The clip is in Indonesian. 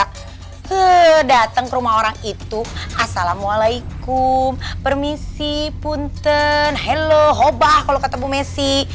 kedatang rumah orang itu assalamualaikum permisi punten hello hobah kalau ketemu messi